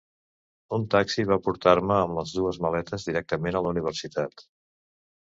Un taxi va portar-me, amb les dues maletes, directament a la Universitat.